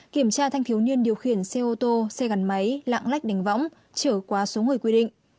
kiểm tra thanh thiếu niên điều khiển xe ô tô xe gắn máy lạng lách đánh võng trở qua số người quy định